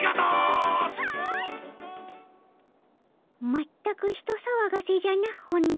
まったく人さわがせじゃな本田。